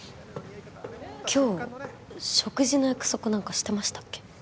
今日食事の約束なんかしてましたっけ？